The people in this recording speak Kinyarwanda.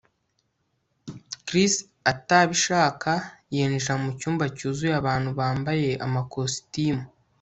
Chris atabishaka yinjira mucyumba cyuzuye abantu bambaye amakositimu